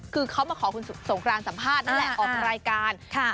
คือเขามาขอคุณสงครานสัมภาษณ์นั่นแหละออกรายการ